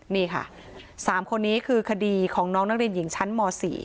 นี่ค่ะ๓คนนี้คือคดีของน้องนักเรียนหญิงชั้นม๔